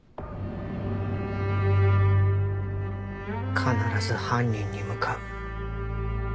必ず犯人に向かう。